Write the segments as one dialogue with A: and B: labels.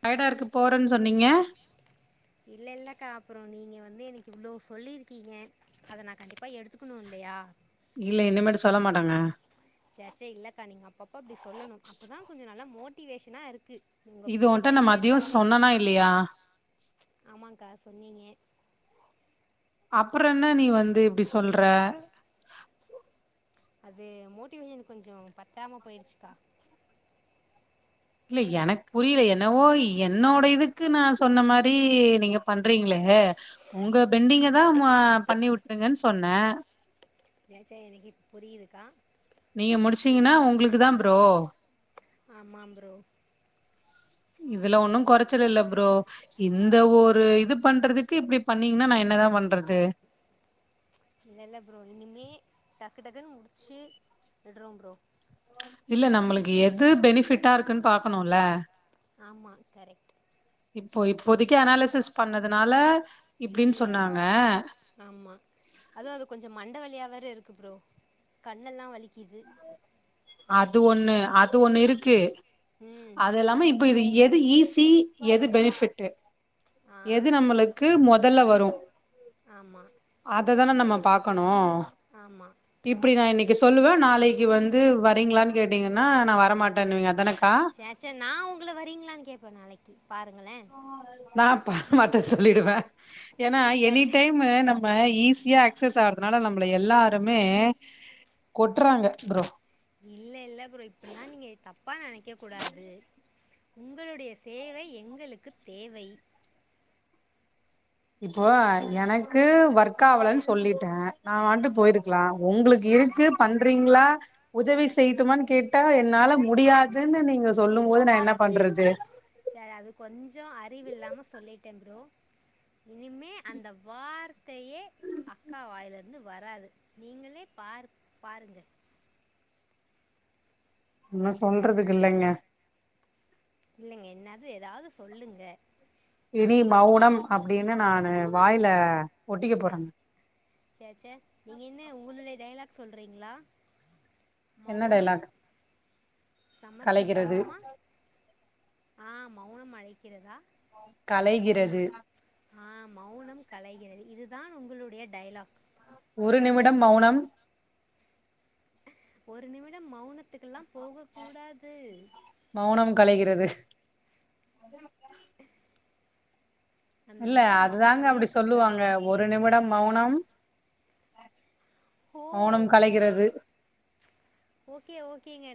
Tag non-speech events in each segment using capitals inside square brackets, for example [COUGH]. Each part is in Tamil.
A: ட்டயடா இருக்கு போறேன்னு சொன்னீங்க
B: இல்ல இல்லக்கா அப்புறோ நீங்க வந்து எனக்கு இவ்வளவு சொல்லிருக்கீங்க அத நா கண்டிப்பா எடுத்துக்கணு இல்லையா
A: இல்ல இனிமேட்டு சொல்ல மாட்டாங்க
B: ச்ச் ச்ச் இல்லக்கா நீங்க அப்பப்ப அப்டி சொல்லணு அப்பதா கொஞ்சோ நல்லா மோட்டிவேஷனா இருக்கு உங்க
A: இது உன்ட்ட
B: பேச்சை
A: நா மதியோ
B: கேட்டாலே
A: சொன்னனா இல்லையா
B: ஆமாக்கா சொன்னீங்க
A: அப்றோ என்னா நீ வந்து இப்டி சொல்றே
B: அது மோட்டிவே கொஞ்சோ பத்தாம போயிருச்சுக்கா
A: இல்லா எனக் புரிலா என்னவோ என்னோடையிதுக்கு நா சொன்னா மாரி நீங்க பண்றீங்ளே உங்க பெண்டிங்கதா மு ஆ பண்ணி வுட்டுங்கன் சொன்னே
B: ஏங்க்கா எனக்கே புரியுதுக்கா
A: நீங்க முடிச்சீங்கனா
B: இனி
A: உங்ளுக்குதா ப்ரோ
B: ஆமாம் ப்ரோ
A: இதுல ஒன்னு கொறைச்சல் இல்ல ப்ரோ இந்த ஒரு இது பண்றதுக்கு இப்டி பண்ணீங்கன்னா நா என்னதா பண்றது
B: இல்ல இல்ல ப்ரோ இனிமே டக்கு டக்குன்னு முடிச்சு விட்றோ ப்ரோ
A: இல்ல நம்மளுக்கு எது பெனிஃபிட்டா இருக்குன்னு பாக்கணுல்ல
B: ஆமா கரெக்ட்
A: இப்போ இப்போதைக்கி அனாலிசிசஸ் பண்ணதுனால இப்டின்னு
B: ம்
A: சொன்னாங்க
B: ஆமா அதுவு அது கொஞ்ச மண் மண்ட வலியா வேற இருக்கு ப்ரோ கண்ணெல்லா வலிக்கிது
A: அது ஒண்ணு அது ஒண்ணு இருக்கு
B: ம்
A: அது இல்லாம இப்ப இது எ து ஈஸி எது பெனிஃபிட்டு
B: ஆ
A: எது நம்மளுக்கு மொத் அதெல்லா வரு
B: ஆமா
A: அததான நம்ம பாக்கணு
B: ஆமா
A: இப்டி நா இன்னிக் கி சொல்லுவே நா ளைக்கி வந்து வ களானு கேட்டீங்கன்னா நா வரமாட்டேனுவீங்க அதான
B: சேச்ச நா உங்கள வரீங்களான்னு கேட்பே நாளைக்கி பாருங்களே
A: நா வரமாட்டேனு சொல்லிடுவே ஏன்னா
B: சே
A: எனி
B: சே
A: டைம்மு நம்ம ஈஸியா அக்சஸ் ஆவறதுனால நம்ம நம்மள எல்லாருமே கொட்றாங்க ப்ரோ
B: இல்ல இல்ல ப்ரோ இப்டில்லா நீங்க தப்பா நெனைக்க கூடாது உங்களுடைய சேவை எங்களுக்கு தேவை
A: இப்போ எனக்கு ஒர்க்காவலன்னு சொல்லிட்ட நா வன்ட்டு
B: ஆமா ப்ரோ
A: போயிருக்கலா உங்ளுக்கு
B: ஆமா
A: இருக்கு பண்றீங்ளா உதவி செய்ட்டுமான்னு கேட்டா என்னால முடியாதுன்னு நீங்க சொல்லும்போது நா என்ன பண்றது
B: சரி அது கொஞ்சோ அறிவு இல்லாம சொல்லிட்டே ப்ரோ இனிமே அந்த வார்த்தையே அக்கா வாயில இருந்து வராது நீங்களே பாரு பாருங்க
A: ஒன்னு சொல்றதுக்கு இல்லைங்க
B: இல்லைங்க என்னாது ஏதாவது சொல்லுங்க
A: இனி மௌனம் அப் அப்டின்னு நானு வாயில ஒட்டிக்க போறாங்க
B: ச்ச ச்சே நீங்க என்ன உங்களுடைய டைலாக் சொல்றீங்களா
A: என்ன
B: மௌனம்
A: டைலாக் கலைகிறது
B: சமர்ப்பிக்கணுமா ஆம் மௌனம் அழைக்கிறதா
A: கலைகிறது
B: ஆ மௌனம் கலைகிறது இது தான் உங்குளுடைய டைலாக்
A: ஒரு நிமிடம் மௌனம்
B: ஒரு நிமிடம் மௌன இதுக்கெல்லா போக கூடாது
A: களைகிறது
B: அந்த
A: இல்ல
B: மாதிரி
A: அதுதாங்க
B: மௌனமே
A: அப்டி சொல்லுவாங்க
B: இருக்கக்கூடாது
A: ஒரு நிமிடம் மௌனம் மௌனம்
B: ஓ
A: கலைகிறது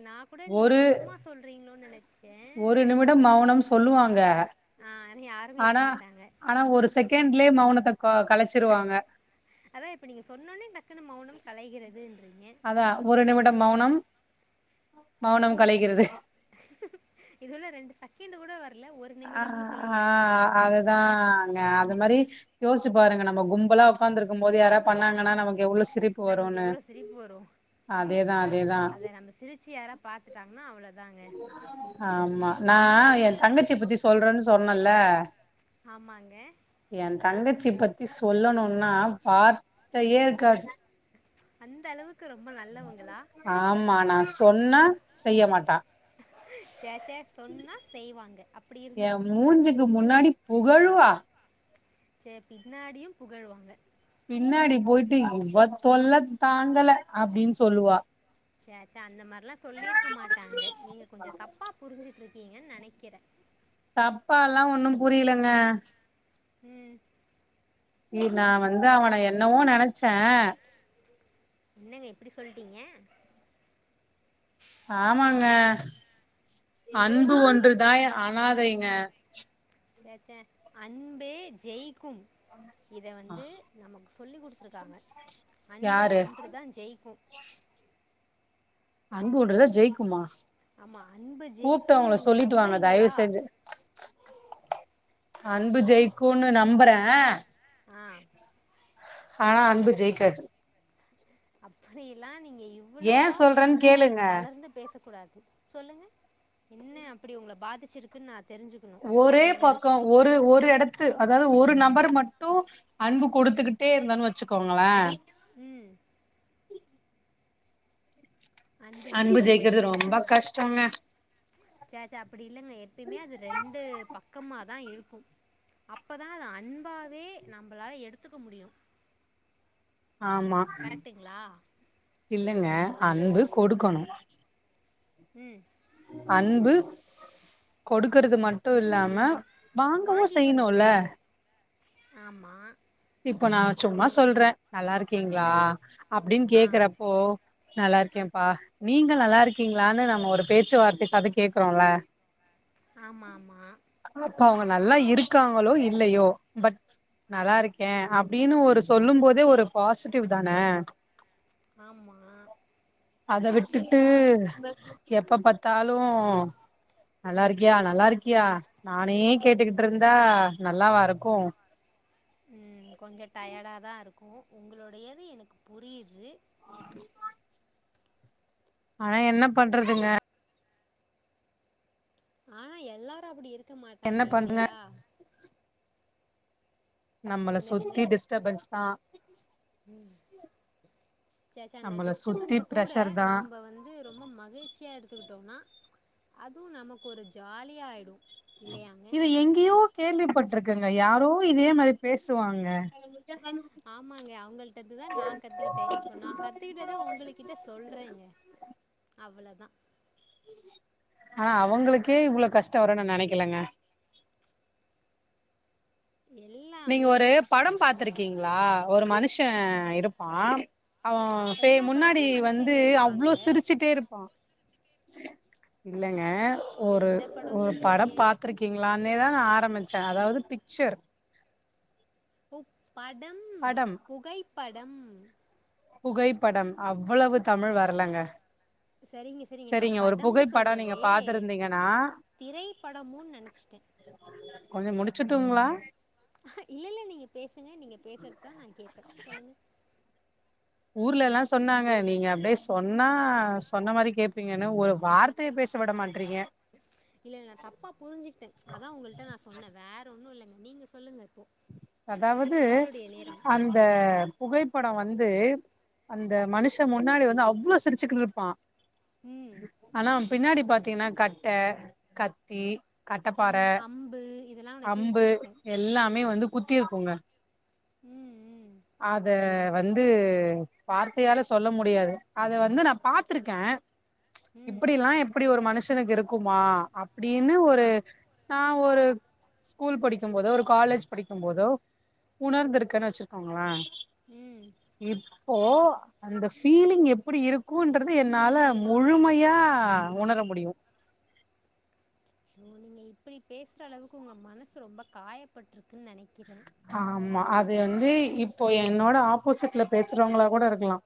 B: நா கூட நீங்க
A: ஒரு
B: சும்மா சொல்றீங்களோ நெனைச்சே
A: ஒரு நிமிடம் மௌனம் சொல்லுவாங்க
B: ஆ ஆனா யாருமே இருக்க
A: ஆனா
B: மாட்டாங்க
A: ஆனா ஒரு செகண்ட் லே மௌனத்த க கலைச்சிருவாங்க
B: அதா இப்ப நீங்க சொன்னோனே டக்குன்னு மௌனம் களைகிறதுன்றீங்க
A: அதா ஒரு நிமிடம் மௌனம் மௌனம் கலைகிறது
B: இதுல்ல ரெண்டு செகண்ட் கூட வர்
A: அ ஆ அதுதாங்க அது மாதிரி யோசிச்சு பாருங்க நம்ம கும்பலா ஒக்காந்த்ருக்குபோது யாரா பண்ணாங்கா நமக்கு எவ்ளோ சிரிப்பு
B: நமக்கு
A: வருன்னு
B: எவ்வளவு சிரிப்பு வரோ
A: அதேதா அதேதா
B: அதை நம்ம சிரிச்சு யாரா பாத்துட்டாங்கன்னா அவ்வளோ
A: ஆமா நா ஆ என் தங்கச்சி பத்தி சொல்றேன்னு சொன்னேல
B: ஆமாங்க
A: ச்சி பத்தி சொல்லணுன்னா வார்த்தையே இருக்காது
B: அந்த அளவுக் கு ரொம்ப நல்லவங்களா
A: ஆமா நா சொன்னா செய்ய மாட்டா
B: சே சே சொன்னா செய்வாங்க அப்டி
A: எ
B: இருந்திருக்கோ
A: மூஞ்சுக்கு முன்னாடி புகழுவா
B: செரி பின்னாடியு புகழுவாங்க
A: பின்னாடி போயிட்டு இவ தொல்ல தாங்கல அப்டின்னு சொல்லுவா
B: சே சே அந்த மாரிலா சொல்லிருக்க மாட்டாங்க நீங்க கொஞ்சோ தப்பா புரிஞ்சி இருக்கீங்கன்னு நெனைக்கிறே
A: தப்பாலா ஒன்னு புரிலங்க
B: உம்
A: [UNINTELLIGIBLE] நா வந்து அவன என்னவோ நெனச்சே
B: என்னங்க இப்படி சொல்லிட்டீங்க
A: ஆமாங்க அன்பு ஒன்றுதாய் அனாதைங்க
B: சேரி சேரி அன்பே ஜெய் க்கும் இத வந்து சொல்லிகுடுத்துருக்காங்க அன்பு
A: யாரு
B: ஒன்றுதா ஜெயிக்கு
A: அன்பு ஒன்றுதா ஜெயிக்குமா
B: ஆமாம் அன்பு
A: கூப்ட்டு
B: ஜெயிக்கும்னு
A: அவங்கள
B: நீங்கள்
A: சொல்லிட்டு வாங்க தயவு
B: நம்புறீங்களா
A: செஞ்சு அன்பு ஜெயிக்குன்னு நம்புறேன்
B: ஆ
A: ஆனா அன்பு ஜெயிக்காது
B: அப்டிலா நீங்க
A: ஏ
B: இவ்வளோவா
A: சொல்றேன்னு
B: மன
A: கேளுங்க
B: தளர்ந்து பேசக்கூடாது சொல்லுங்க என்ன அப்டி உங்கள பாதிச்சிருக்குனு நா
A: ஒரே பக்கோ ஒரு ஒரு எடத்து அதாவது ஒரு நபர் மட்டு அன்பு கொடுத்துக்கிட்டே இருந்தன்னு வெச்சுக்கோங்களே
B: உம் அன்பு இல்லாம
A: ஜெயிக்கிறது ரொம்ப
B: போயிடுன்றீங்களா
A: கஷ்டோங்க
B: சேச்ச அப்டி இல்லங்க எப்பமே அது ரெண்டு பக்கமா தா இருக்கு அப்பதா அத அன்பாவே நம்மளால எடுத்துக்க முடியு
A: ஆமா இல்லைங்க அன்பு கொடுக்கனு
B: உம்
A: அன்பு கொடுக்கறது மட்டு இல்லாம வாங்கவு செய்யணுல
B: ஆமா
A: இப்ப நா சும்மா சொல்றே நல்லா இருக்கீங்களா
B: ம்
A: அப்டினு
B: ஆ
A: கேக்கறப்போ நல்லா இருக்கேன்ப்பா நீங்க நல்லா இருக்கீங்களான்னு நம்ம ஒரு பேச்சுவார்த்தைக்காது கேக்குறோல
B: ஆமா ஆமா
A: இப்ப அவங்க நல்லா இருக்காங்களோ இல்லையோ பட் நல்லா இருக் கன் அப்டின்னு ஒரு சொல்லும் போதே ஒரு பாசிட்டிவ் தான
B: ஆமாம்
A: அத விட்டுட்டு எப்ப பாத்தாலும் நல்லா இருக்கியா நல்லா இருக்கியா நானே கேட்டுக்கிட்டு இருந்தா நல்லாவா இருக்கு
B: உம் கொஞ்ச டயடா தான் இருக்கு உங்களுடையது எனக்கு புரியுது
A: ஆனா என்ன பண்றதுங்க
B: ஆனா எல்லாரு அப்டி இருக் கு
A: என்ன
B: மாட்டாங்க
A: பண்றங்க
B: இல்லையா
A: நம்மள சுத்தி டிஸ்ட்டபென்ஸ் தா
B: சே சே அந்த
A: நம்மள சுத்தி
B: டிஸ்ட்டபென்ஸ்ஸ கூட
A: பிரஷர் தா
B: நாம்ப வந்து ரொம்ப மகிழ்ச்சியா எடுத்துக்கிட்டோனா அதுவு நமக்கு ஒரு ஜாலியா ஆய்டு
A: இது எங்யோ கேள்விப்பட்டிருக்கங் ங்க யாரோ இதே மாரி பேசுவாங்க
B: ஆமாங்க அவங்கள்ட்ட இருந்துதா நா கத்துக்கிட்டே இப்ப நா கத்துக்கிட்டத உங்களகிட்ட சொல்றேங்க அவ்வளொதா
A: ஆனா அவங்களுக்கே இவ்ளோ கஷ்டம் வருனு நெனைக்கலங்க நீங்க
B: எல்லாமே
A: ஒரு படம் பாத்துருக்கிங்ளா ஒரு மனுஷ இருப்பா அவொ சே
B: எல்லா
A: முன்னாடி
B: படத்துலேயும்
A: வந்து
B: மனுஷங்க
A: அவ்ளோ
B: இருப்பாங்க
A: சிரிச்சுட்டே இருப்பா இல்லங்க ஒரு
B: எந்த படம்
A: ஒரு
B: சொல்கிறீங்க
A: படம் பாத்ருக்கிங்களானே தா நா ஆரம்பிச் ச அதாவது பிக்சர்
B: உ படம்
A: படம்
B: புகைப்பட் டம்
A: புகைப்படம் அவ்வளவு தமிழ் வரலங்க
B: செரிங்க சீரிங்க நா
A: சரிங்க ஒரு
B: படம்னு
A: புகைப்படம்
B: சொல்லவே
A: நீங்க பாத்துருந்தீங்கன்னா
B: திரைப்படமோன் நெனச்சிட்டே
A: கொஞ்சோ முடிச்சுட்டுங்ளா
B: இல்ல இல்ல நீங்க பேசுங்க நீங்க பேசற் தா நா கேப்பே சொல்லுங்க
A: ஊர்லலா சொன்னாங்க நீங்க அப்டே சொன்னா சொன்ன மாரி கேப்பீங்கன்னு ஒரு வார்த்தையை பேச விட மாட்றீங்க
B: ச்ச் இல்ல இல்ல நா தப்பா புரிஞ்சுகிட்ட ச்ச் அதா உங்கள்ட்ட நா சொன்ன வேற ஒன்னு இல்லைங்க நீங்க சொல்லுங்க இப்போ
A: அதாவது
B: உங்களுடைய நேரம்
A: அந்த புகைப்படோ வந் து அந்த மனுஷ முன்னாடி வந்து அவ்ளோ சிரிச்சுக்கிட்ருப்பா
B: ம்
A: ஆனா பின்னாடி பாத்தீங்ன்னா கட்ட கத்தி கட்டப்பாற
B: ம் அம்பு இதெல்லா உன்ன
A: அம்பு
B: கிழிச்சிருக்கு
A: எல்லா மே வந்து குத்தி இருக்கோங்க.
B: ம் ம்
A: அத வந்து வார்த்தையால சொல்ல முடியாது. அத வந்து நா பாத்துருக்கே ச்ச்
B: ம்
A: இப்படில்லா எப்படி ஒரு மனு ஸ்னக்கு இருக்குமா. அப்டின்னு
B: ஆ
A: ஒரு ந ஒரு ஸ்கூல் படிக்கும் போதோ ஒரு காலேஜ் படிக்கும் போதோ உணர்ந்த இருக்குன்னு வெச்சிருக்கோங்கள.
B: ம்
A: இ இப்போ அந்த ஃபீலிங் எப்படி இருக்கும்ன்றது என்னால முழுமையா உணர முடியும்.
B: நீங்க இப்படி பேசுற அளவுக்கு உங்க மனசு ரொம்ப காயப்பிருக்குன்னு நெனைக்கிறேன்.
A: ஆமா அது வந்து இப்போ என்னோட ஆப்போசிட்ல பேசுறவங்களா கூட இருக்கலாம்.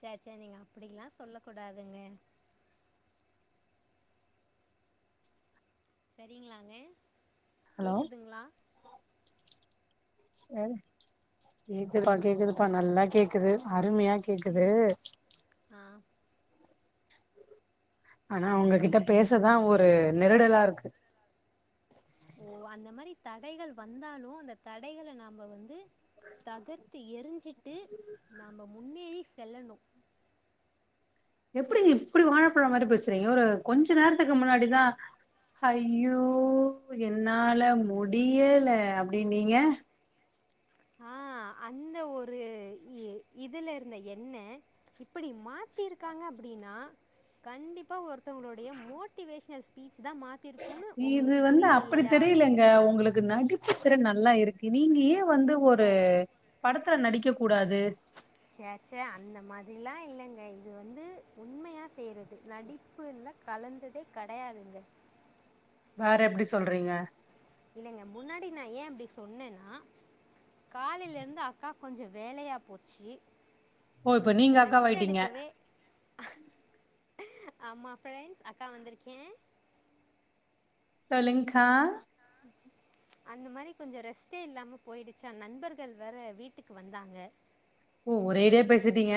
B: சரி சரி நீங்க அப்படிலாம் சொல்ல கூடாதுங்க. சரிங்களாங்க.
A: ஹலோ
B: கேக்குதுங்களா
A: கேக்குதுப்பா கேக்குதுப்பா நல்லா கேக்குது. அருமையா கேக்குது.
B: ம் ஆ
A: ஆனா அவுங்ககிட்ட பேசதா ஒரு நெருடலா இருக்கு.
B: ஓ அந்த மாரி தடைகள் வந்தாலோ அந்த தடைகள நாம வந்து தகர்த்து எரிஞ்சிட்டு நாம முன்னேறி செல்லனோ
A: எப்படி நீ இப்படி வாழைப்பழ மாரி பேசுறீங்க. ஒரு கொஞ்ச நேரத்துக்கு முன்னாடிதா ய்யோ என்னால முடியல அப்படின் ங்க
B: ஆஹ் அந்த ஒரு இதுல இருந்த என்ன இப்படி மாத்திருக்காங்க. அப்படின்னா கண்டிப்பா ஒருத்தங்களுடைய மோட்டிவேஷனல் ஸ்பீச் தா மாத்திருக்குன்னு
A: இது
B: உங்களுக்கு
A: வந்து
B: புரியுது
A: அப்படி
B: இல்லையா
A: தெரியலங்க உங்களுக்கு நடிப்பு த்தர நல்லா இருக்கு நீங்க வந்து ஒரு படத் க்க நடிக்க கூடாது.
B: சே சே அந்த மாரி அப்படிலா இல்லைங்க இது வந்து உண்மையாக செய்கறது நடிப்புல கலந்ததே கிடையாதுங்க.
A: வேற எப்படி சொல்றீங்க.
B: இல்லங்க முன்னாடி நா ஏன் அப்படி சொன்னேன்னா காலில இருந்து அக்கா கொஞ்சோ வேலையா போச்சு
A: ஓ இப்போ நீங்க அக்கா
B: ரெஸ்ட்
A: வாயிட்டீங்க.
B: ஆமா பிரெண்ட்ஸ் அக்கா வந்திருக்கே
A: சொல்லுங்க
B: அந்த மாதிரி கொஞ்சோ ரெஸ்ட்டே இல்லாம போயிடுச்சா நண்பர்கள் வேற வீட்டுக்கு வந்தாங்க
A: ஓ ஒரேடியா பேசிட்டீங்க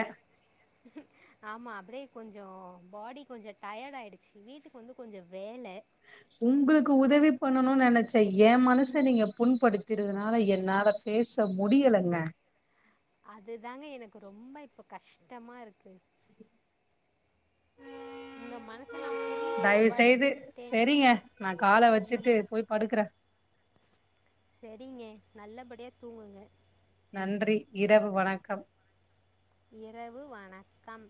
B: ஆமா அப்படியே கொஞ்சம் பாடி கொஞ்சம் டயர்ட் ஆயிடுச்சு வீட்டுக்கு வந்து கொஞ்சோ வே
A: உங்குளுக்கு உதவி பண்ணனும்னு நெனைச்சே ஏ மனச நீங்க புண்படுத்திருதுனால என்னால பேச முடியலைங்க
B: அதுதாங்க எனக்கு ரொம்ப இப்ப கஷ்டமா இருக்கு உங்க மனசு
A: தயவுசெய்து சரிங்க நா காலை
B: ம்
A: வெச்சுட்டு போய் படுக்கற
B: சரிங்க நல்லபடியா தூங்குங்க
A: நன்றி இரவு வணக்கம்
B: இரவு வணக்கம்